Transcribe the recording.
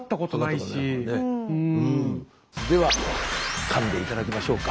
ではかんで頂きましょうか。